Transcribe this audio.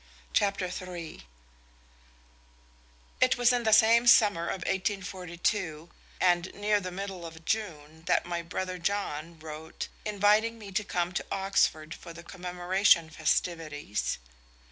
CHAPTER III It was in the same summer of 1842, and near the middle of June, that my brother John wrote inviting me to come to Oxford for the Commemoration festivities.